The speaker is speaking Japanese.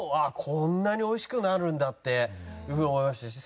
こんなにおいしくなるんだっていう風に思いましたし。